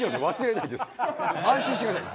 安心してください。